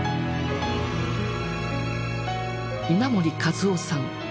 稲盛和夫さん。